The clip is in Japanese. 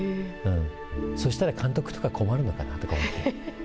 そうしたら監督とか困るのかなとか思って。